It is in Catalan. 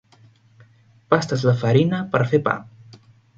Pastes la farina per fer pa.